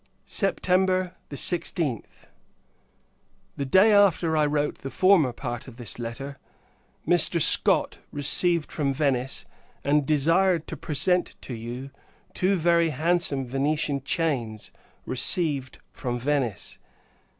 September 16th. The day after I wrote the former part of this letter, Mr. Scott received from Venice, and desired to present to you, two very handsome Venetian chains, received from Venice.